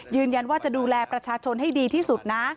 ยืนยันว่าจะดูแลประชาชนให้ดีที่สุดนะ